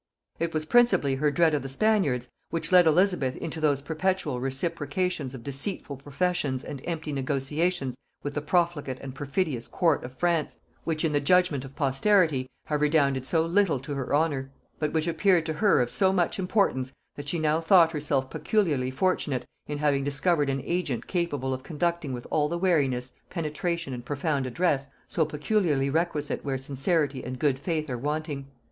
It was principally her dread of the Spaniards which led Elizabeth into those perpetual reciprocations of deceitful professions and empty negotiations with the profligate and perfidious court of France, which in the judgement of posterity have redounded so little to her honor, but which appeared to her of so much importance that she now thought herself peculiarly fortunate in having discovered an agent capable of conducting with all the wariness, penetration and profound address so peculiarly requisite where sincerity and good faith are wanting.